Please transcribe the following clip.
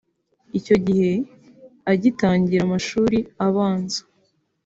Icyo gihe agitangira amashuri abanza